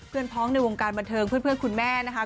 พ้องในวงการบันเทิงเพื่อนคุณแม่นะคะ